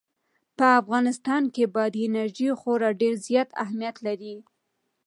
په افغانستان کې بادي انرژي خورا ډېر زیات اهمیت لري.